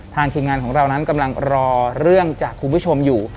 ทีมงานของเรานั้นกำลังรอเรื่องจากคุณผู้ชมอยู่